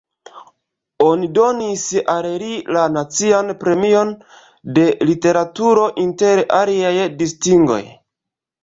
Oni donis al li la Nacian Premion de Literaturo inter aliaj distingoj.